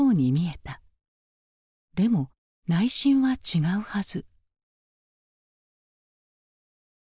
でも内心は違うはず。